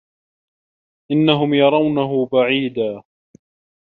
إِنَّهُم يَرَونَهُ بَعيدًا